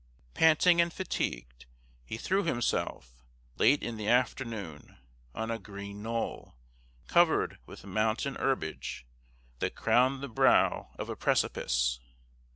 Panting and fatigued, he threw himself, late in the afternoon, on a green knoll, covered with mountain herbage, that crowned the brow of a precipice.